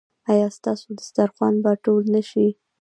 ایا ستاسو دسترخوان به ټول نه شي؟